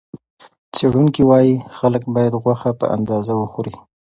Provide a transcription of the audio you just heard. څېړونکي وايي، خلک باید غوښه په اندازه وخوري.